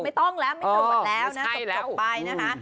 ไม่ต้องแล้วไม่ตรวจแล้วนะจบไปนะคะ